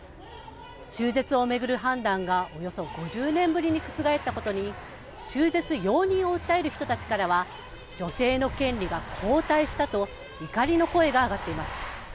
中絶を巡る判断がおよそ５０年ぶりに覆ったことに、中絶容認を訴える人たちからは、女性の権利が後退したと、怒りの声が上がっています。